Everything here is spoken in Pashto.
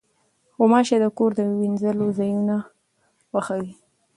غوماشې د کور د وینځلو ځایونه خوښوي.